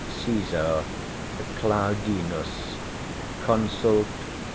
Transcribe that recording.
Cæsar Claudinus, consult.